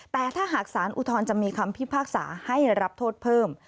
แต่ถ้าหากสารอุทธรณ์จะมีคำพิพากษาให้รับโทษเพิ่ม